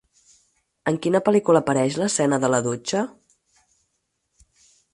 En quina pel·lícula apareix l'escena de la dutxa?